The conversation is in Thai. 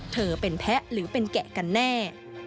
เธอเป็นแพ้หรือเป็นแกะกันแน่